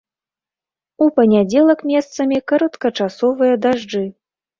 У панядзелак месцамі кароткачасовыя дажджы.